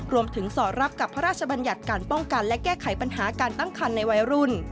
สอดรับกับพระราชบัญญัติการป้องกันและแก้ไขปัญหาการตั้งคันในวัยรุ่น